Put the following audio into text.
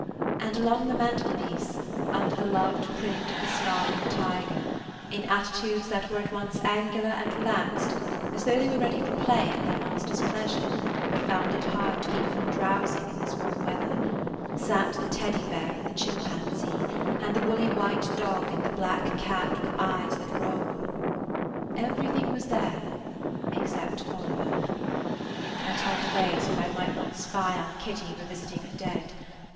And along the mantelpiece, under the loved print of the snarling tiger, in attitudes that were [Page 5] at once angular and relaxed, as though they were ready for play at their master's pleasure, but found it hard to keep from drowsing in this warm weather, sat the Teddy Bear and the chimpanzee and the woolly white dog and the black cat with eyes that roll. Everything was there except Oliver. I turned away so that I might not spy on Kitty revisiting her dead.